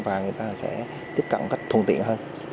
và người ta sẽ tiếp cận một cách thuận tiện hơn